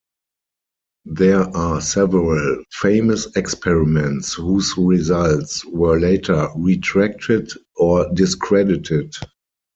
There are several famous experiments whose results were later retracted or discredited.